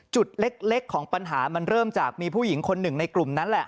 จุดเล็กของปัญหามันเริ่มจากมีผู้หญิงคนหนึ่งในกลุ่มนั้นแหละ